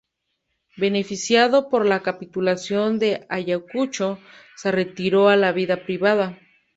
Beneficiado por la Capitulación de Ayacucho, se retiró a la vida privada.